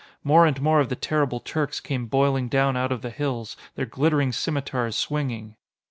More and more of the terrible Turks came boiling down out of the hills, their glittering scimitars swinging.